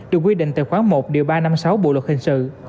được quy định tại khoảng một điều ba trăm năm mươi sáu bộ luật hình sự